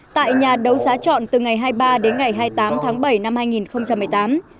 tại nhà đấu giá chọn từ ngày hai mươi ba đến ngày hai mươi tám tháng bảy năm hai nghìn một mươi tám